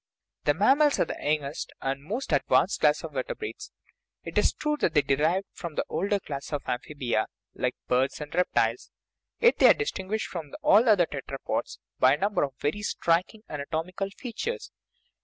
The mammals are the youngest and most advanced class of the vertebrates. It is true they are derived 30 OUR BODILY FRAME from the older class of amphibia, like birds and reptiles : yet they are distinguished from all the other tetrapods by a number of very striking anatomical features.